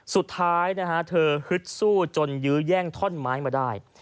สุดท้ายนะฮะเธอฮึดสู้จนยื้อแย่งท่อนไม้มาได้